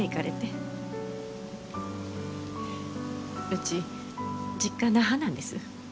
うち実家那覇なんです。